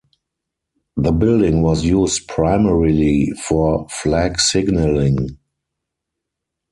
The building was used primarily for flag signalling.